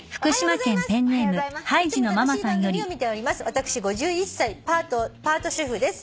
「私５１歳パート主婦です」